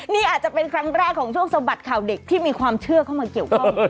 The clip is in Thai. นี่อาจจะเป็นครั้งแรกของช่วงสะบัดข่าวเด็กที่มีความเชื่อเข้ามาเกี่ยวข้อง